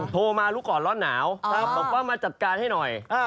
โทรมารู้ก่อนร้อนหนาวบอกว่ามาจัดการให้หน่อย